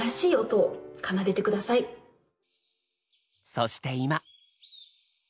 そして今。